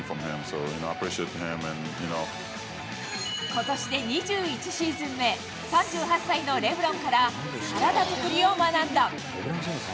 ことしで２１シーズン目、３８歳のレブロンから体作りを学んだ。